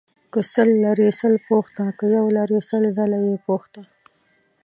که سل لرې سل پوښته ، که يو لرې سل ځله يې پوښته.